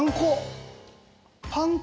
パン粉。